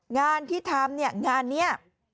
งานที่ทำงานนี้